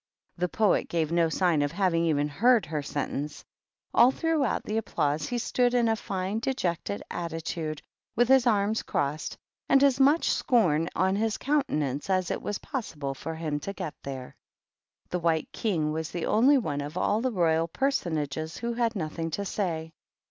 The Poet gave no sign of having even heard her sentence. All throughout the applause he stood in a fine dejected attitude, with his arms crossed, and as much scorn on his countenance afi it was possible for him to get there. The White King was the only one of all the Royal Personages who had nothing to say.